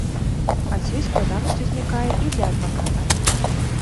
Адсюль складанасць узнікае і для адваката.